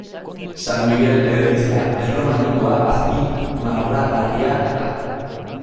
San Migel eliza erromanikoa azpimarragarria da.